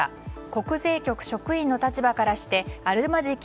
国税局職員の立場からしてあるまじき